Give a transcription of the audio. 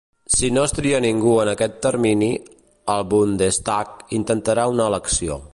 Si no es tria ningú en aquest termini, el "Bundestag" intentarà una elecció.